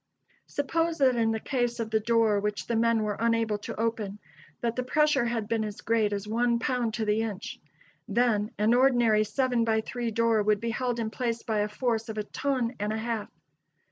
Suppose that in the case of the door which the men were unable to open, that the pressure had been as great as one pound to the inch. Then an ordinary seven by three door would be held in place by a force of a ton and a half.